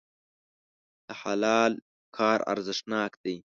د حلال کار ارزښتناک دی.